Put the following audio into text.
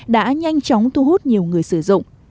đã nhanh chóng thu hút nhiều người sử dụng